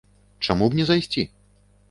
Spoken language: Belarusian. Чаму б не зайсці?